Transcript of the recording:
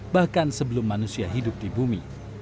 bahkan sebelum manusia hidup di bumi